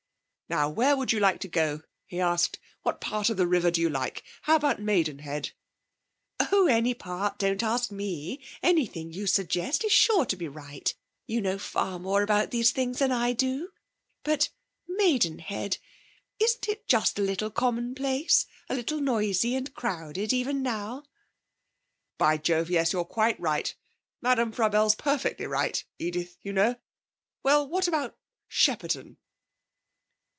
'Now where would you like to go?' he asked. 'What part of the river do you like? How about Maidenhead?' 'Oh, any part. Don't ask me! Anything you suggest is sure to be right. You know far more about these things than I do. But Maidenhead isn't it just a little commonplace? A little noisy and crowded, even now?' 'By jove, yes, you're quite right. Madame Frabelle's perfectly right, Edith, you know. Well, what about Shepperton?'